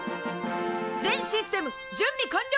全システム準備完了！